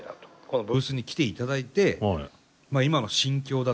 このブースに来ていただいて今の心境だとか。